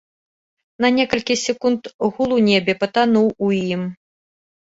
На некалькі секунд гул у небе патануў у ім.